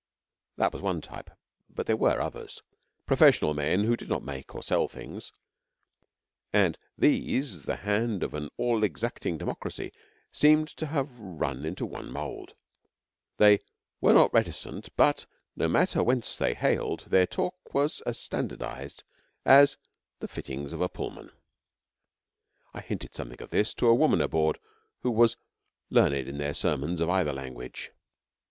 That was one type; but there were others professional men who did not make or sell things and these the hand of an all exacting Democracy seemed to have run into one mould. They 'were not reticent, but no matter whence they hailed, their talk was as standardised as the fittings of a Pullman. I hinted something of this to a woman aboard who was learned in their sermons of either language.